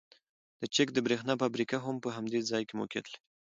د چک د بریښنا فابریکه هم په همدې ځای کې موقیعت لري